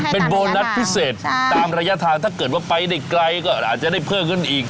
เป็นโบนัสพิเศษตามระยะทางถ้าเกิดว่าไปได้ไกลก็อาจจะได้เพิ่มขึ้นอีก